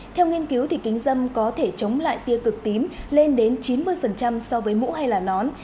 theo nghiên cứu thì kính dâm có thể chống lại tia cực tím lên đến chín mươi so với mũ hay là nón